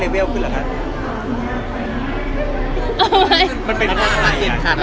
มันเป็นอะไร